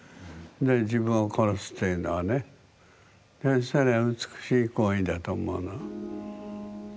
自分を殺すっていうのはねそれは美しい行為だと思うの。